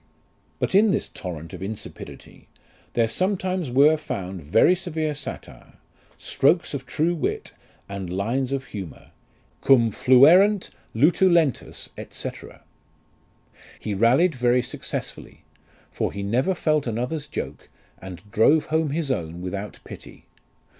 But in this torrent of insipidity, there sometimes were found very severe satire, strokes of true wit, and lines of humour, cumjluerent lutulentus, fyc. He rallied very successfully; for he never felt another's joke, and drove home his own without pity.